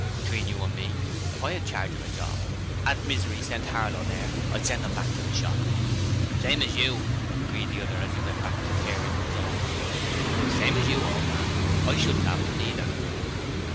'Between you and me, if I had charge of a job, and Misery sent Harlow there I'd send 'im back to the shop.' 'Same as you,' agreed the other as he went back to tear into his own room. 'Same as you, old man: I shouldn't 'ave 'im neither.'